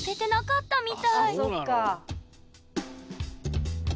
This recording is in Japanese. あそっか。